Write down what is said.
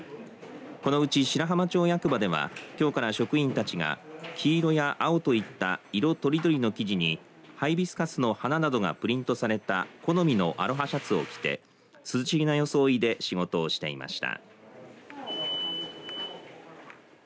このうち白浜町役場ではきょうから職員たちが黄色や青といった色とりどりの生地にハイビスカスの花などがプリントされた好みのアロハシャツを着て涼しげな装いで仕事をしていました。